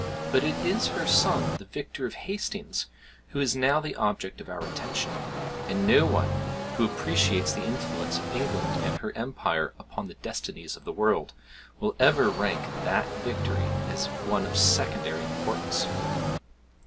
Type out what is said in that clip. But it is her son, the victor of Hastings, who is now the object of our attention; and no one, who appreciates the influence of England and her empire upon the destinies of the world, will ever rank that victory as one of secondary importance.